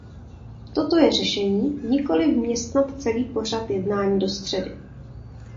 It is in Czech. Toto je řešení, nikoli vměstnat celý pořad jednání do středy.